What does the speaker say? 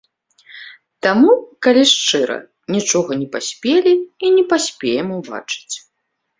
Таму, калі шчыра, нічога не паспелі і не паспеем убачыць.